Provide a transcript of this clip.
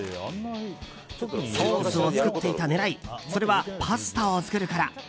ソースを作っていた狙いそれは、パスタを作るから。